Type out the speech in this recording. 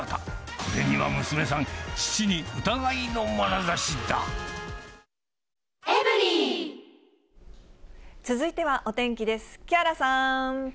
これには娘さん、続いてはお天気です。